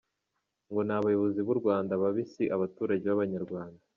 Ngo ni abayobozi b’u Rwanda babi si abaturage b’abanyarwanda.